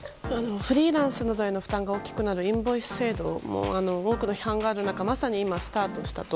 フリーランスの負担が大きくなるインボイス制度も多くの批判がある中でまさに今、スタートしたと。